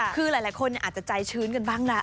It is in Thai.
คือหลายคนอาจจะใจชื้นกันบ้างละ